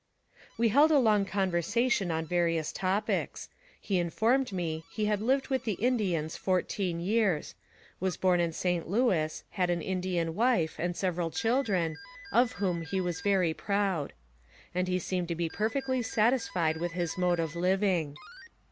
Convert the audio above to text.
We held a long conversation, on various topics. He informed me he had lived with the Indians fourteen years ; was born in St. Louis, had an Indian wife, and several children, of whom he was very proud ; and he seemed to be perfectly satisfied with his mode of living.